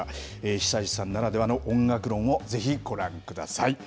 久石さんならではの音楽論を、ぜひご覧ください。